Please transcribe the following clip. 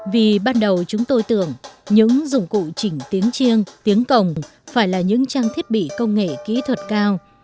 vì ban đầu chúng tôi tưởng những dụng cụ chỉnh tiếng chiêng tiếng cồng phải là những trang thiết bị công nghệ kỹ thuật cao